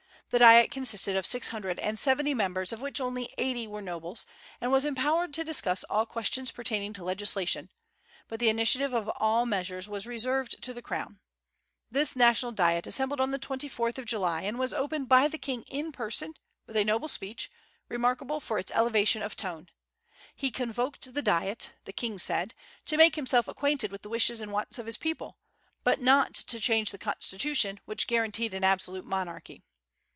The Diet consisted of six hundred and seventy members, of which only eighty were nobles, and was empowered to discuss all questions pertaining to legislation; but the initiative of all measures was reserved to the crown. This National Diet assembled on the 24th of July, and was opened by the king in person, with a noble speech, remarkable for its elevation of tone. He convoked the Diet, the king said, to make himself acquainted with the wishes and wants of his people, but not to change the constitution, which guaranteed an absolute monarchy.